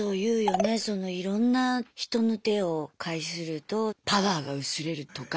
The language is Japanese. いろんな人の手を介するとパワーが薄れるとか。